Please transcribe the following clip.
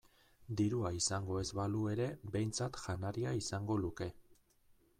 Dirua izango ez balu ere behintzat janaria izango luke.